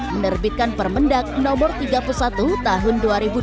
menerbitkan permendak no tiga puluh satu tahun dua ribu dua puluh